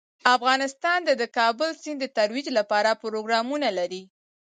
افغانستان د د کابل سیند د ترویج لپاره پروګرامونه لري.